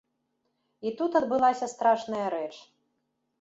І тут адбылася страшная рэч.